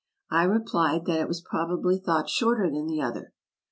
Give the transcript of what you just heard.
I replied that it was probably thought shorter than the other.